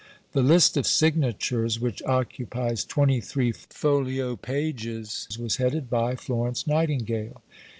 The list of signatures, which occupies twenty three folio pages, was headed by "Florence Nightingale."